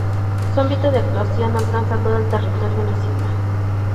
Su ámbito de actuación alcanza todo el territorio nacional.